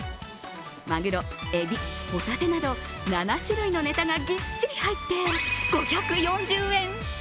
まぐろ、えび、ほたてなど７種類のネタがぎっしり入って５４０円。